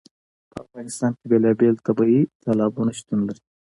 په افغانستان کې بېلابېل طبیعي تالابونه شتون لري.